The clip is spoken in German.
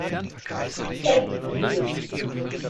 Fake music